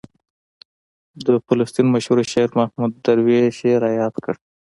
د فلسطین مشهور شاعر محمود درویش یې رایاد کړ.